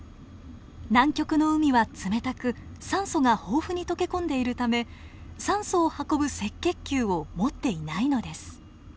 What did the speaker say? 南極の海は冷たく酸素が豊富に溶け込んでいるため酸素を運ぶ赤血球を持っていないのです。